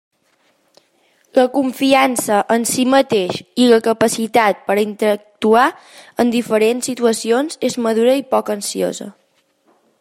La confiança en si mateix i la capacitat per a interactuar en diferents situacions és madura i poc ansiosa.